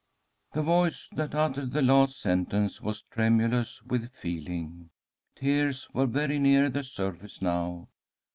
The voice that uttered the last sentence was tremulous with feeling. Tears were very near the surface now.